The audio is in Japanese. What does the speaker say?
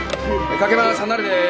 かけます。